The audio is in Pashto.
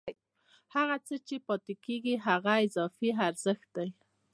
هغه څه چې پاتېږي هغه اضافي ارزښت دی